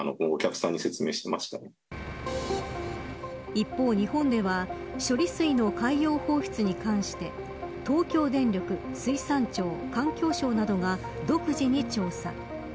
一方、日本では処理水の海洋放出に関して東京電力、水産庁環境省などが独自に調査。